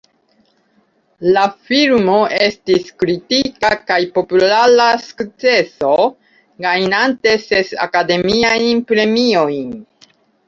La filmo estis kritika kaj populara sukceso, gajnante ses Akademiajn Premiojn.